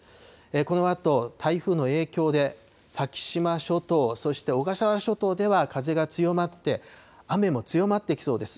このあと、台風の影響で先島諸島、そして小笠原諸島では、風が強まって、雨も強まってきそうです。